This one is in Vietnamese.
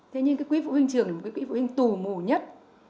thế nhưng cái quỹ phụ huynh trường là quỹ phụ huynh tù mổ nhất